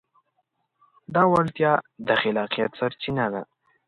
دا وړتیا د خلاقیت سرچینه ده.